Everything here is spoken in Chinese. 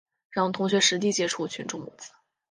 让同学实地接触群众募资